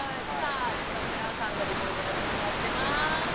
さあきょう寺尾さんとリモートがつながってます。